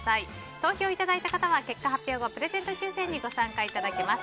投票いただいた方は結果発表後プレゼント抽選にご参加いただけます。